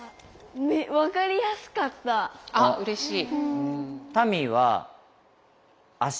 あっうれしい。